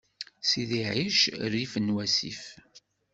Sidi Ɛic rrif n wassif.